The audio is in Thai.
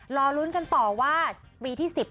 รอรุ้นกันต่อว่าปีที่๑๐เนี่ย